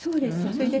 それで」